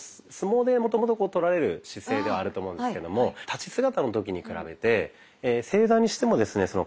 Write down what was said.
相撲でもともととられる姿勢ではあると思うんですけども立ち姿の時に比べて正座にしてもですね